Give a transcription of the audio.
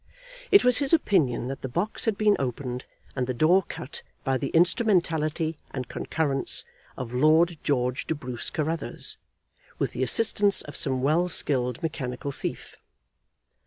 It was his opinion that the box had been opened and the door cut by the instrumentality and concurrence of Lord George de Bruce Carruthers, with the assistance of some well skilled mechanical thief.